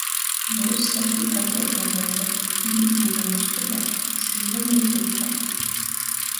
Veirs atīt agruok nu dorba, īīt guļamustobā, sīva guļ gultā...